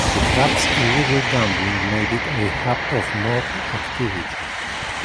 The club's illegal gambling made it a hub of mob activity.